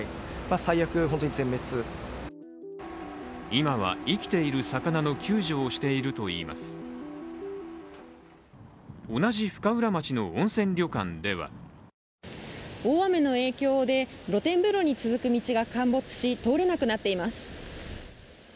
今は生きている魚の救助をしているといいます同じ深浦町の温泉旅館では大雨の影響で露天風呂に続く道が陥没し通れなくなっています。